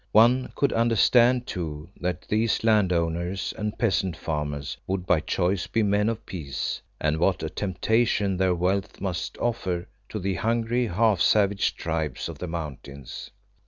One could understand too that these landowners and peasant farmers would by choice be men of peace, and what a temptation their wealth must offer to the hungry, half savage tribes of the mountains.